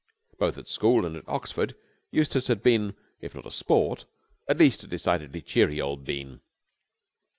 Both at school and at Oxford, Eustace had been if not a sport at least a decidedly cheery old bean.